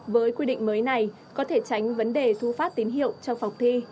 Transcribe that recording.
với quy định mới này có thể tránh vấn đề thu phát tín hiệu trong phòng thi